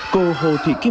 cô hồ thị kim